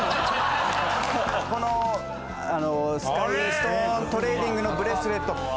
このスカイストーン・トレーディングのブレスレット